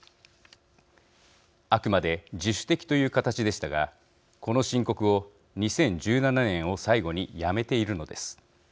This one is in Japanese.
あくまで自主的という形でしたがこの申告を２０１７年を最後にやめているのです。